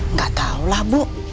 nggak tahulah bu